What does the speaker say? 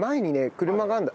車があるんだ。